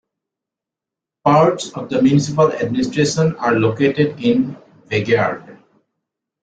Parts of the municipal administration are located in Vaggeryd.